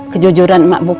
kejujuran emak buka